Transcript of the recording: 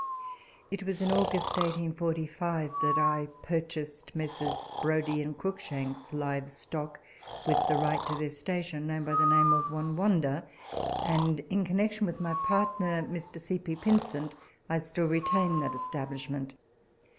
It was in August 1845 that I purchased Messrs. Brodie and Cruikshank's live stock, with the right to their station known by the name of " Wonwondah," and in connexion with my partner, Mr. C. P. Pynsent, I still retain that establishment.